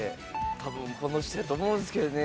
多分この人やと思うんですけどね